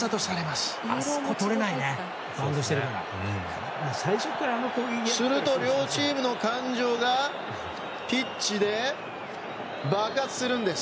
すると両チームの感情がピッチで爆発するんです。